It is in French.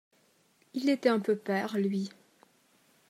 Il était un peu père, lui.